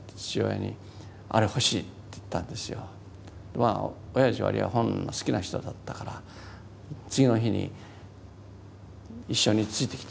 まあおやじは割合本の好きな人だったから次の日に一緒に付いてきてくれました。